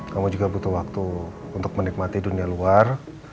kamu juga butuh waktu untuk menikmati dunia luar